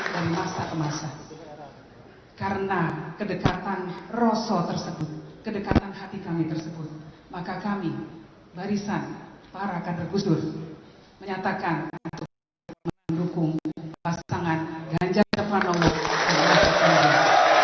dari masa ke masa karena kedekatan rosol tersebut kedekatan hati kami tersebut maka kami barisan para kader gus dur menyatakan untuk mendukung pasangan ganjar pranowo mahfud md